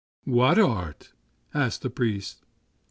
"What art?" asked the priest.